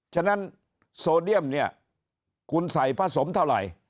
ฉะนั้นโซเดียมเนี่ยคุณใส่ผ้าสมเท่าไหร่